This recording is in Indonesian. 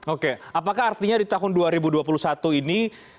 oke apakah artinya di tahun dua ribu dua puluh satu ini